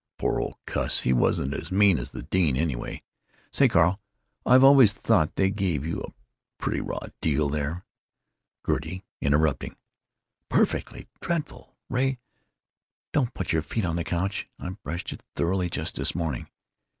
Poor old cuss, he wasn't as mean as the dean, anyway.... Say, Carl, I've always thought they gave you a pretty raw deal there——" Gertie (interrupting): "Perfectly dreadful!... Ray, don't put your feet on that couch; I brushed it thoroughly, just this morning....